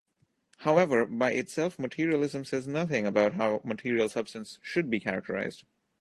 However, by itself materialism says nothing about how material substance should be characterized.